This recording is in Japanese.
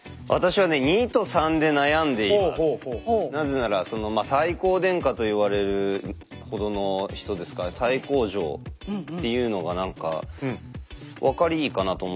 なぜならその太閤殿下と言われるほどの人ですから太閤城っていうのが何か分かりいいかなと思うんですね。